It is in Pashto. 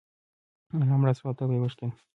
انا مړه سوه او تبه يې وشکيده.